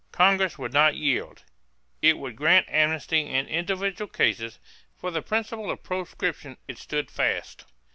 Congress would not yield. It would grant amnesty in individual cases; for the principle of proscription it stood fast.